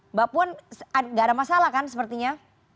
mbak puan gak ada masalah kan sepertinya